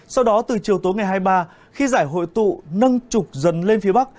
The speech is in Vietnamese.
sau đó từ chiều tối ngày hai mươi ba khi giải hội tụ nâng trục dần lên phía bắc